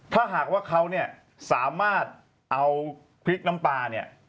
ถ้าหากว่าเขาสามารถเอาพริกน้ำปลา